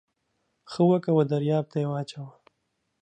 ښه وکه و درياب ته يې واچوه.